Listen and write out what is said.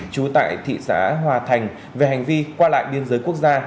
trú tại thị xã hòa thành về hành vi qua lại biên giới quốc gia